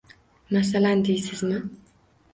Masalan, deysizmi